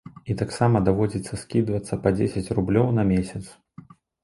І таксама даводзіцца скідвацца па дзесяць рублёў на месяц.